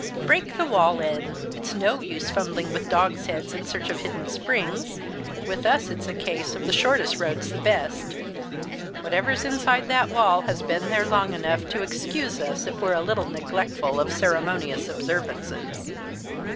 "Break the wall in! It's no use fumbling with dogs' head in search of hidden springs with us it's a case of the shortest road's the best. Whatever's inside that wall has been there long enough to excuse us if we're a little neglectful of ceremonious observances."